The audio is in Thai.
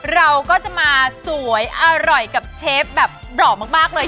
เราก็จะมาสวยอร่อยกับเชฟแบบหล่อมากเลย